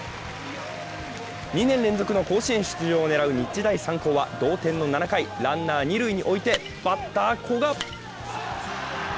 ２年連続の甲子園出場を狙う日大三高は同点の７回、ランナー二塁に置いてバッター・古賀。